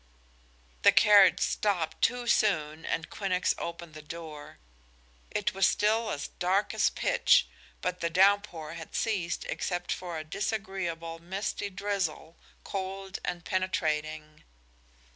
The carriage stopped too soon and Quinnox opened the door. It was still as dark as pitch, but the downpour had ceased except for a disagreeable, misty drizzle, cold and penetrating.